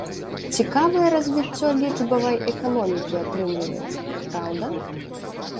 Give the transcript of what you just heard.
Цікавае развіццё лічбавай эканомікі атрымліваецца, праўда?